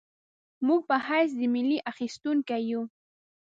موږ په حیث د ملت اخیستونکي یو.